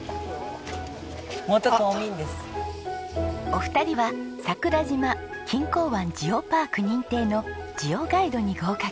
お二人は桜島・錦江湾ジオパーク認定のジオガイドに合格。